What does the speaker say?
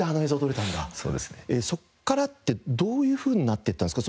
そこからってどういうふうになっていったんですか？